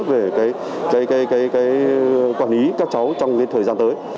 về quản lý các cháu trong thời gian tới